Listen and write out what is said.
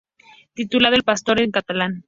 Titulado "El Pastor" en catalán.